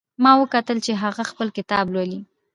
ما وکتل چې هغه خپل کتاب لولي